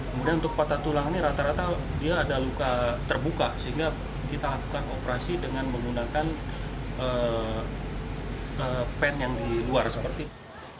kemudian untuk patah tulang ini rata rata dia ada luka terbuka sehingga kita lakukan operasi dengan menggunakan pen yang di luar seperti itu